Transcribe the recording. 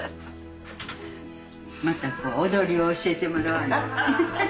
またこう踊りを教えてもらわな。